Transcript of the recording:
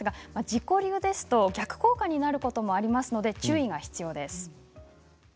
自己流だと逆効果になることもありますので注意が必要です。